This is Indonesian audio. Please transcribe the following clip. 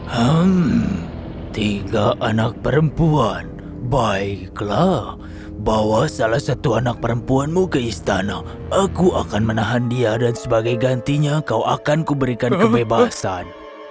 hmm tiga anak perempuan baiklah bawa salah satu anak perempuanmu ke istana aku akan menahan dia dan sebagai gantinya kau akan kuberikan kebebasan